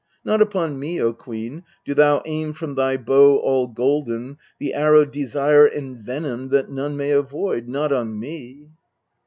Not upon me, O queen, do thou aim from thy bow all golden The arrow desire envenomed that none may avoid not on me